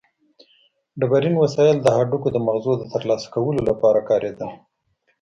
ډبرین وسایل د هډوکو د مغزو د ترلاسه کولو لپاره کارېدل.